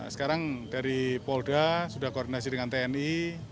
sekarang dari polda sudah koordinasi dengan tni